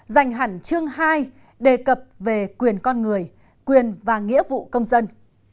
dành hẳn chương hai đề cập về quyền con người quyền và nghĩa vụ công dân